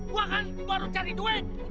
gue kan baru cari duit